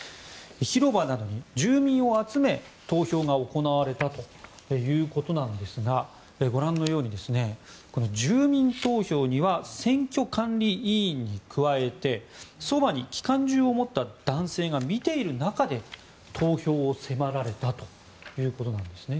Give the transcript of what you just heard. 広場などに住民を集め、投票が行われたということなんですがご覧のように住民投票には選挙管理委員に加えてそばに機関銃を持った男性が見ている中で投票を迫られたということなんですね。